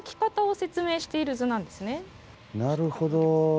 なるほど。